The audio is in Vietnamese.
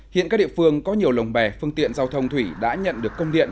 hiện các địa phương có nhiều lồng bè phương tiện giao thông thủy đã nhận được công điện